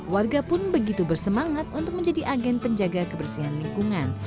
warga pun begitu bersemangat untuk menjadi agen penjaga kebersihan lingkungan